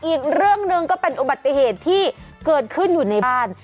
อีกเรื่องหนึ่งก็เป็นอุบัติเหตุที่เกิดขึ้นอยู่ในบ้าน